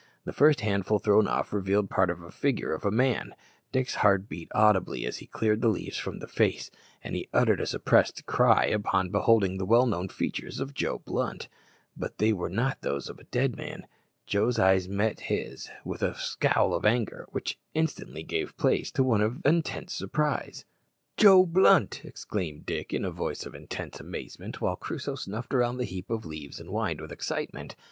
The first handful thrown off revealed part of the figure of a man. Dick's heart beat audibly as he cleared the leaves from the face, and he uttered a suppressed cry on beholding the well known features of Joe Blunt. But they were not those of a dead man. Joe's eyes met his with a scowl of anger, which instantly gave place to one of intense surprise. "Joe Blunt!" exclaimed Dick in a voice of intense amazement, while Crusoe snuffed round the heap of leaves and whined with excitement.